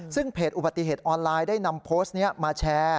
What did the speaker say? ซึ่งเพจอุบัติเหตุออนไลน์ได้นำโพสต์นี้มาแชร์